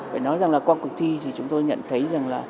phải nói rằng qua cuộc thi chúng tôi nhận thấy